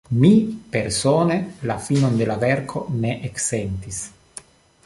Mi persone la finon de la verko ne eksentis.